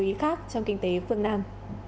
và chú ý khác trong kinh tế phương nam